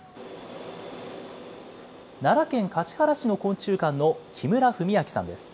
奈良県橿原市の昆虫館の木村史明さんです。